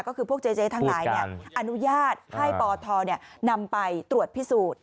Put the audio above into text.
ก็คือพวกเจ๊ทั้งหลายอนุญาตให้ปทนำไปตรวจพิสูจน์